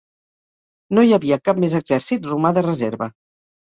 No hi havia cap més exèrcit romà de reserva.